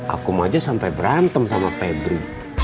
aku maja sampai berantem sama pedri